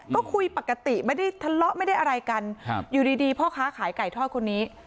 ก็คุยปกติไม่ได้ทะเลาะไม่ได้อะไรกันอยู่ดีพ่อค้าขายไก่ทอดคนนี้